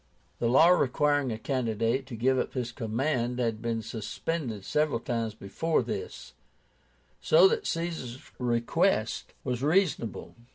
The law requiring a candidate to give up his command had been suspended several times before this; so that Caesar's request was reasonable.